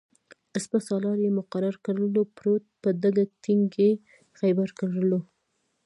سپه سالار یې مقرر کړلو-پروت په ډکه ټینګ یې خیبر کړلو